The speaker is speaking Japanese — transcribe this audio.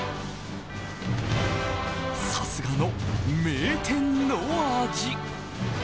さすがの名店の味。